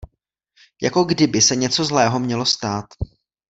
Jako kdyby se něco zlého mělo stát.